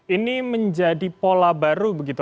ini menjadi pola baru begitu